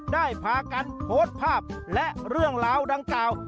ได้พากันโพสต์ภาพและเรื่องราวดังกล่าว